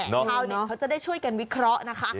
ชาวเน็ตเขาจะได้ช่วยกันวิเคราะห์นะคะ